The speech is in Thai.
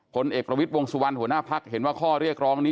ผลเอกประวิทย์วงสุวรรณหัวหน้าพักเห็นว่าข้อเรียกร้องนี้